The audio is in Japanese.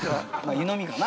湯飲みかな？